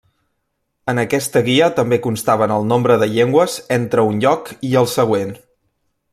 En aquesta guia també constaven el nombre de llegües entre un lloc i el següent.